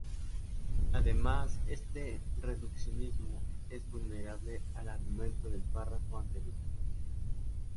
Además este reduccionismo es vulnerable al argumento del párrafo anterior.